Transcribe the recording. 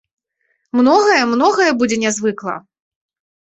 Многае, многае будзе нязвыкла.